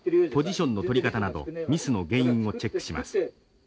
ポジションの取り方などミスの原因をチェックします。